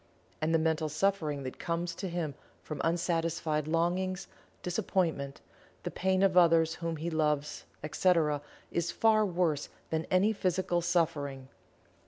And the mental suffering that comes to him from unsatisfied longings, disappointment, the pain of others whom he loves, etc., is far worse than any physical suffering.